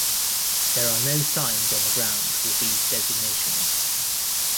There are no signs on the ground with these designations.